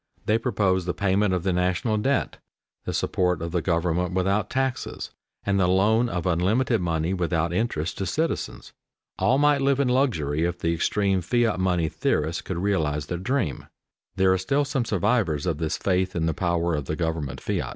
They proposed the payment of the national debt, the support of the government without taxes, and the loan of unlimited money without interest to citizens. All might live in luxury if the extreme fiat money theorists could realize their dream. There are still some survivors of this faith in the power of the government fiat.